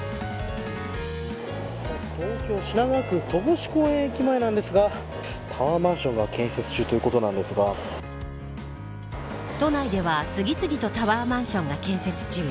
東京、品川区戸越公園駅前なんですがタワーマンションが建設中ということなんですが都内では次々とタワーマンションが建設中。